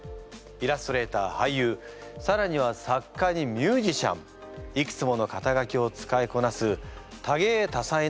イラストレーター俳優さらには作家にミュージシャンいくつものかたがきを使いこなす多芸多才な人物です。